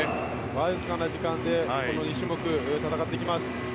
わずかな時間で２種目戦っていきます。